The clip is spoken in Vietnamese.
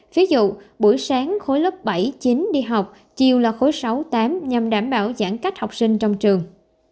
ví dụ buổi sáng khối lớp bảy chín đi học chiều là khối sáu tám nhằm đảm bảo giãn cách học sinh trong trường